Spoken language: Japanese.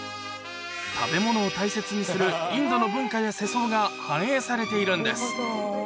食べ物を大切にするインドの文化や世相が反映されているんです。